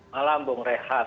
malam bung rehat